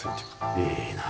いいなあ。